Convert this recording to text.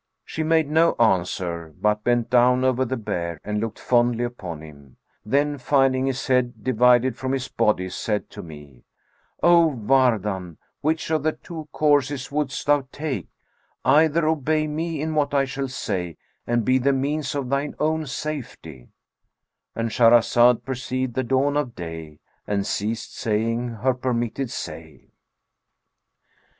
She made no answer but bent down over the bear, and looked fondly upon him; then finding his head divided from his body, said to me, 'O Wardan, which of the two courses wouldst thou take; either obey me in what I shall say and be the means of thine own safety'"—And Shahrazad perceived the dawn of day and ceased saying her permitted say.